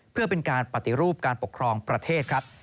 เพื่อเป็นการปฏิรูปการปกครองประเทศครับ